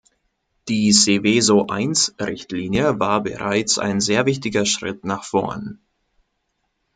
Die Seveso-I-Richtlinie war bereits ein wichtiger Schritt nach vorn.